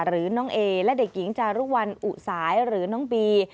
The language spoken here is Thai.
หรือน้องเอและเด็กหญิงจารุวัลอุสายหรือน้องบี